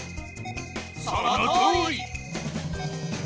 そのとおり！